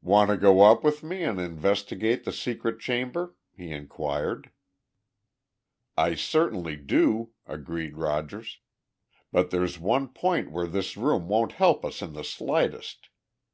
"Want to go up with me and investigate the secret chamber?" he inquired. "I certainly do," agreed Rogers. "But there's one point where this room won't help us in the slightest.